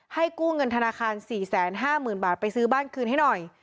กู้เงินธนาคาร๔๕๐๐๐บาทไปซื้อบ้านคืนให้หน่อย